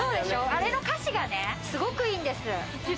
あれの歌詞がね、すごくいいんです。